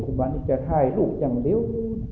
ขุมาที่จะไขล่ลูกอย่างเร็ว